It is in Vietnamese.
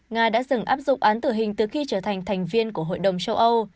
nga đã dừng áp dụng án tử hình từ khi trở thành thành viên của hội đồng châu âu